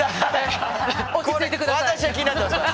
私は気になってますから。